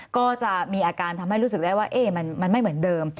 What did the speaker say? ก็จะมีอาการทำให้รู้สึกได้ว่ามันไม่เหมือนเดิม